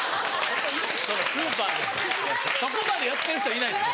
スーパーでそこまでやってる人いないですよ。